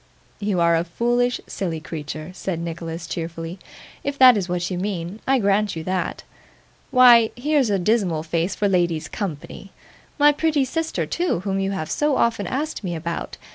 'You are a foolish, silly creature,' said Nicholas cheerfully. 'If that is what you mean, I grant you that. Why, here's a dismal face for ladies' company! my pretty sister too, whom you have so often asked me about.